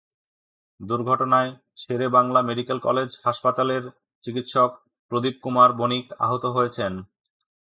দুর্ঘটনায় Sher-e-Bangla medical college হাসপাতালের চিকিৎসক প্রদীপ কুমার বণিক আহত হয়েছেন।